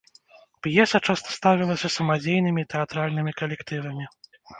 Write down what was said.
П'еса часта ставілася самадзейнымі тэатральнымі калектывамі.